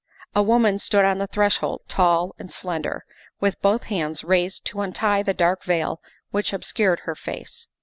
A woman stood on the threshold, tall and slender, with both hands raised to untie the dark veil which obscured her face.